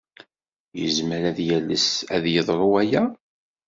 Yezmer ad yales ad yeḍru waya?